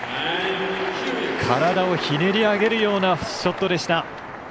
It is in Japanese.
体をひねり上げるようなショットでした。